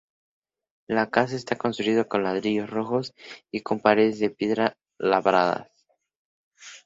La casa está construida con ladrillos rojos y con paredes de piedras labradas.